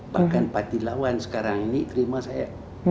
bahkan parti lawan sekarang ini terima saya